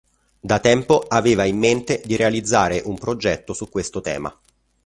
Da tempo aveva in mente di realizzare un progetto su questo tema.